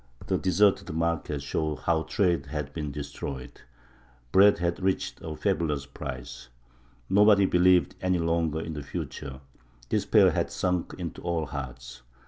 The deserted markets showed how trade had been destroyed. Bread had reached a fabulous price. Nobody believed any longer in the future; despair had sunk into all hearts.